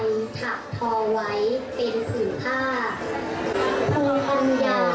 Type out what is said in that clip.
มีธรรมยาสื่อสารวัฒนธรรม